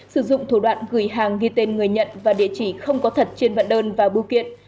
sử dụng thủ đoạn gửi hàng ghi tên người nhận và địa chỉ không có thật trên vận đơn và bưu kiện